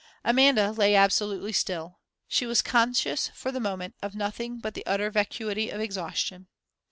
Amanda lay absolutely still. She was conscious, for the moment, of nothing but the utter vacuity of exhaustion.